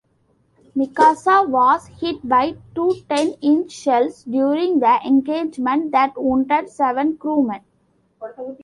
"Mikasa" was hit by two ten-inch shells during the engagement that wounded seven crewmen.